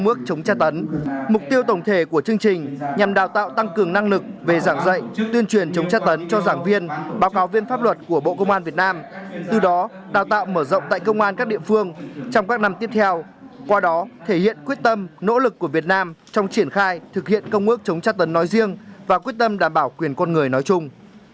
công ước chống tra tấn mục tiêu tổng thể của chương trình nhằm đào tạo tăng cường năng lực về giảng dạy tuyên truyền chống tra tấn cho giảng viên báo cáo viên pháp luật của bộ công an việt nam từ đó đào tạo mở rộng tại công an các địa phương trong các năm tiếp theo qua đó thể hiện quyết tâm nỗ lực của việt nam trong triển khai thực hiện công ước chống tra tấn nói riêng và quyết tâm đảm bảo quyền con người nói chung